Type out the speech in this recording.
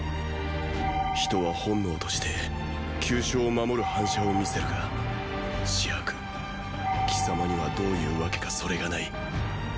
人は本能として急所を守る反射を見せるが紫伯貴様にはどういうわけかそれがない。